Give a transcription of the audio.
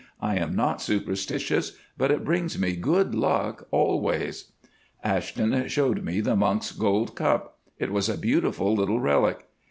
I am not superstitious; but it brings me good luck always." Ashton showed me the monk's gold cup. It was a beautiful little relic.